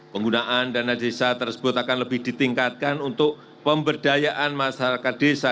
penggunaan dana desa tersebut akan lebih ditingkatkan untuk pemberdayaan masyarakat desa